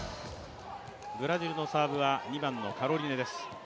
ブラジルのサーブは、２番のカロリネです。